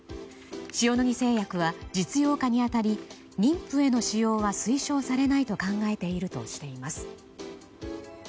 塩野義製薬は、実用化に当たり妊婦への使用は推奨されないと考えているとしています。